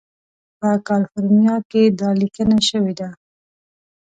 په کالیفورنیا کې دا لیکنه شوې ده.